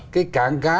cái cảng cá là gì